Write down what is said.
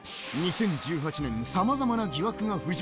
２０１８年、さまざまな疑惑が浮上。